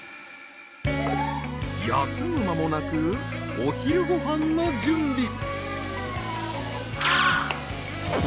休む間もなくお昼ご飯の準備。